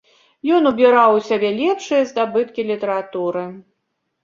Ён убіраў у сябе лепшыя здабыткі літаратуры.